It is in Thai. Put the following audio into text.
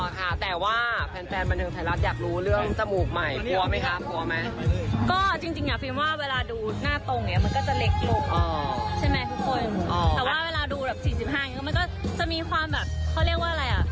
แต่ว่าเวลาดูแบบ๔๕อย่างนี้มันก็จะมีความแบบเขาเรียกว่าอะไรอ่ะ